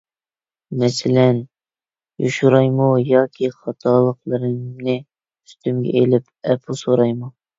مەسىلەن، يوشۇرايمۇ ياكى خاتالىقلىرىمنى ئۈستۈمگە ئېلىپ ئەپۇ سورايمۇ؟